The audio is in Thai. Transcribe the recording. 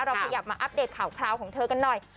ขยับมาอัปเดตข่าวคราวของเธอกันหน่อย